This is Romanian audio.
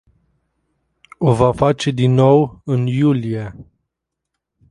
O va face din nou în iulie.